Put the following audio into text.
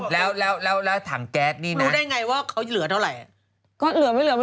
แล้วก็อีกถังต่อมันก็ขายได้